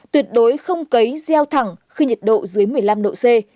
tuyệt đối không cấy gieo thẳng khi nhiệt độ dưới một mươi năm độ c